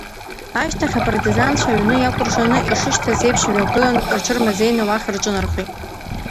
Ашьҭахь, апартизанцәа, аҩны иакәыршаны ишышьҭаз еиԥш иҩагылан, рҽырмазеины, уахь рҿынархеит.